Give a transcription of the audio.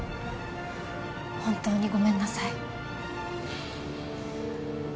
本当にごめんなさい